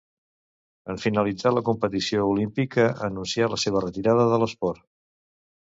En finalitzar la competició olímpica anuncià la seva retirada de l'esport.